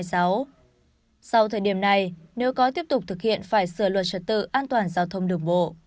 sau thời điểm này nếu có tiếp tục thực hiện phải sửa luật trật tự an toàn giao thông đường bộ